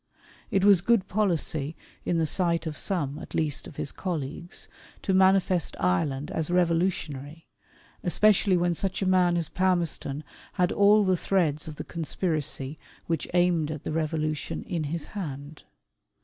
It was good policy in the sight of some at least of his colleagues, to manifest Ireland as revolutionary, especially when such a man as Palmerston had all the threads of the conspiracy which aimed at the revolution in his hand.